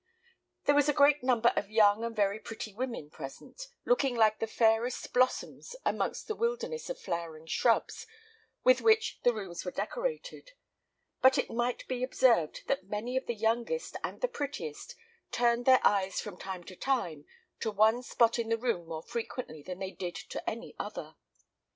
There was a great number of young and very pretty women present, looking like the fairest blossoms amongst the wilderness of flowering shrubs with which the rooms were decorated; but it might be observed that many of the youngest and the prettiest turned their eyes from time to time to one spot in the room more frequently than they did to any other.